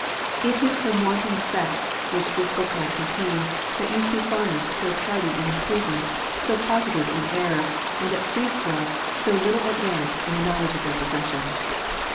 It is from wanting the facts, which this book mightxoatain, that you see farmers so tardy in improvement, so positive in error, and at three score, so little advanced in the know ledge of their profession.